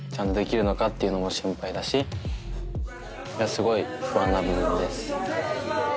すごい不安な部分です。